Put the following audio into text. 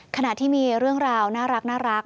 ขณะที่มีเรื่องราวน่ารัก